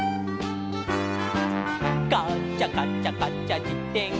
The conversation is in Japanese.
「カチャカチャカチャじてん